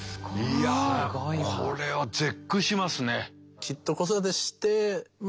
いやこれは絶句しますね。